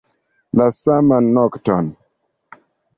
La saman nokton.